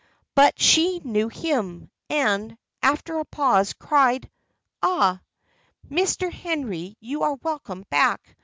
But she knew him, and, after a pause, cried "Ah! Mr. Henry, you are welcome back.